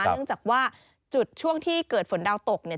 เนื่องจากว่าจุดช่วงที่เกิดฝนดาวตกเนี่ย